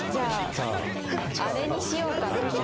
じゃああれにしようかな。